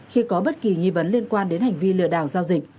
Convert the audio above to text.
khi có bất kỳ nghi vấn liên quan đến hành vi lừa đảo giao dịch